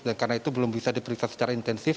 dan karena itu belum bisa diperiksa secara intensif